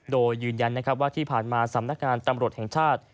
โดยยืนยันที่ผ่านมาสำนักงานตำรวจแห่งชาติ